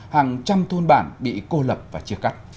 hàng trăm thôn bản bị cô lập và chia cắt